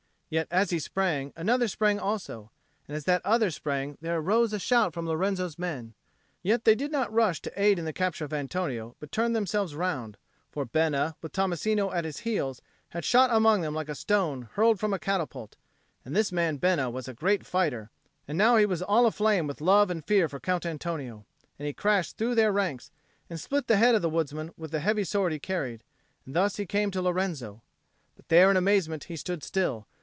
Yet as he sprang, another sprang also; and as that other sprang there rose a shout from Lorenzo's men; yet they did not rush to aid in the capture of Antonio, but turned themselves round. For Bena, with Tommasino at his heels, had shot among them like a stone hurled from a catapult; and this man Bena was a great fighter; and now he was all aflame with love and fear for Count Antonio. And he crashed through their ranks, and split the head of the woodsman with the heavy sword he carried; and thus he came to Lorenzo. But there in amazement he stood still.